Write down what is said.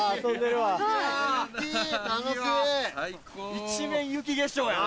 一面雪化粧やな。